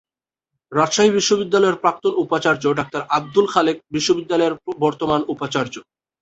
রাজশাহী বিশ্ববিদ্যালয়ের প্রাক্তন উপাচার্য ডাক্তার আব্দুল খালেক বিশ্ববিদ্যালয়ের বর্তমান উপাচার্য।